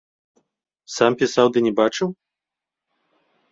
Сам пісаў ды не бачыў?